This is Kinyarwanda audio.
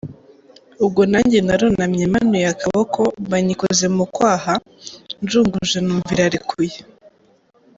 Ubwo nanjye narunamye manuye akaboko mba nyikoze mu kwaha, njunguje numva irarekuye.